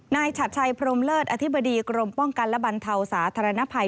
ฉัดชัยพรมเลิศอธิบดีกรมป้องกันและบรรเทาสาธารณภัย